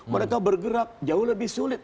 mereka bergerak jauh lebih sulit